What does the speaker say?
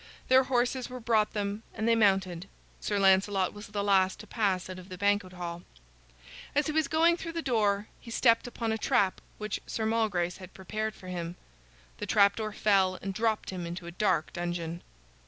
Their horses were brought them and they mounted. Sir Lancelot was the last to pass out of the banquet hall. As he was going through the door he stepped upon a trap which Sir Malgrace had prepared for him. The trapdoor fell and dropped him into a dark dungeon.